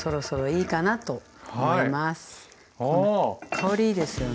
香りいいですよね。